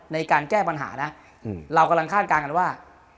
ในการแก้ปัญหานะเรากำลังคาดการณ์กันว่า